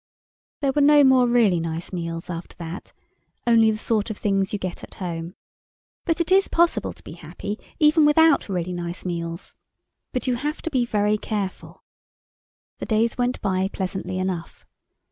There were no more really nice meals after that, only the sort of things you get at home. But it is possible to be happy even without really nice meals. But you have to be very careful. The days went by pleasantly enough.